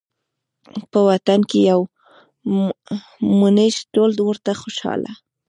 په وطن کې یو مونږ ټول ورته خوشحاله